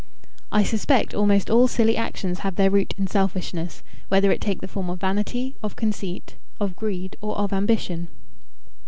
I suspect almost all silly actions have their root in selfishness, whether it take the form of vanity, of conceit, of greed, or of ambition.